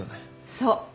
そう。